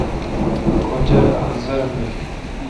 کچر ادھزرہ بیل۔